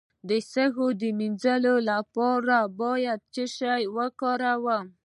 د سږو د مینځلو لپاره باید څه شی وکاروم؟